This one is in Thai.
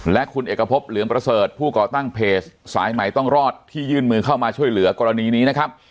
และคุณเอกพบเหลืองประเสริฐผู้ก่อตั้งเพจสายใหม่ต้องรอดที่ยื่นมือเข้ามาช่วยเหลือกรณีนี้นะครับ